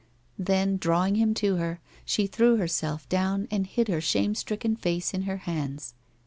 " Then, drawing him to her, she threw herself down and hid her shame stricken face in her hands.